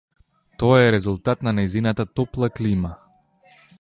Тоа е резултат на нејзината топла клима.